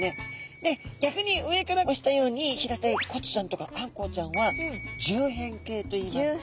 で逆に上からおしたように平たいコチちゃんとかアンコウちゃんは縦扁形といいます。